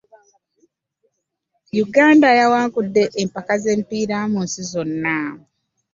Uganda yawangudde empaka ze mipiira mu nsi zonna.